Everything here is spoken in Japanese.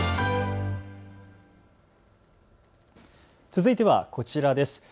続いては、こちらです。